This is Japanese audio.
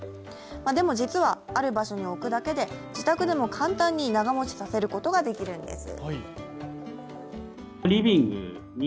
でも実はある場所に置くだけで自宅でも簡単に長もちさせることができるんです。